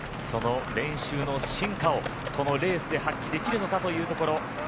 その練習の真価をこのレースで発揮できるのかというところ。